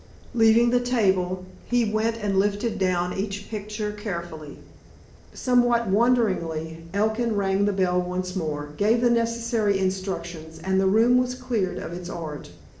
Leaving the table, he went and lifted down each picture carefully. Somewhat wonderingly, Elkin rang the bell once more, gave the necessary instructions, and the room was cleared of its art.